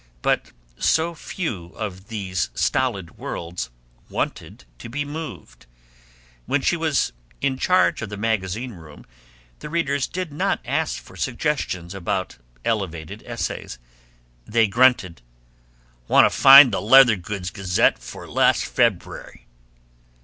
But so few of these stolid worlds wanted to be moved. When she was in charge of the magazine room the readers did not ask for suggestions about elevated essays. They grunted, "Wanta find the Leather Goods Gazette for last February."